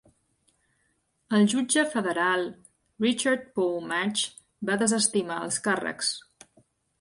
El jutge federal Richard Paul Matsch va desestimar els càrrecs.